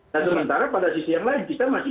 dan sementara pada sisi yang lain kita masih